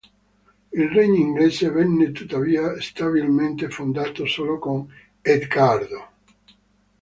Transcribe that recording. Il regno inglese venne tuttavia stabilmente fondato solo con Edgardo.